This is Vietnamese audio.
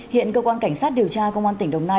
hiện cơ quan cảnh sát điều tra công an tỉnh đồng nai